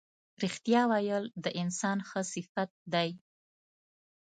رښتیا ویل د انسان ښه صفت دی.